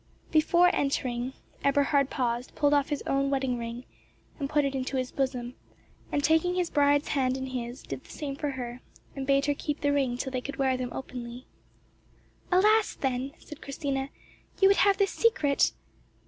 Before entering, Eberhard paused, pulled off his own wedding ring, and put it into his bosom, and taking his bride's hand in his, did the same for her, and bade her keep the ring till they could wear them openly. "Alas! then," said Christina, "you would have this secret?"